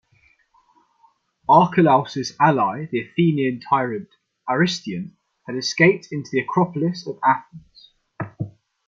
Archelaus' ally the Athenian tyrant Aristion had escaped into the Acropolis of Athens.